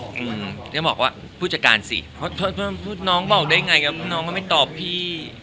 แต่ผู้จัดการบอกก็บอกว่าผู้จัดการสิเพราะน้องบอกได้ไงกับน้องก็ไม่ตอบพี่